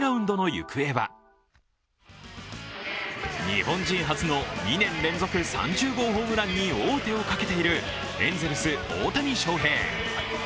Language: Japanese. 日本人初の２年連続３０号ホームランに王手をかけているエンゼルス・大谷翔平。